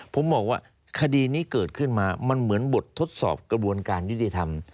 ผมบอกว่าคดีนี้เกิดขึ้นมามันเหมือนบททดสอบกระบวนการยุติธรรม